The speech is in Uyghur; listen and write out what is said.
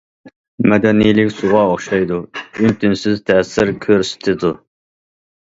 مەدەنىيلىك سۇغا ئوخشايدۇ، ئۈن- تىنسىز تەسىر كۆرسىتىدۇ.